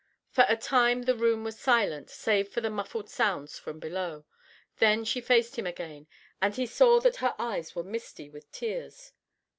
For a time the room was silent, save for the muffled sounds from below; then she faced him again, and he saw that her eyes were misty with tears.